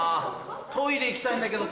トイレ行きたいんだけど。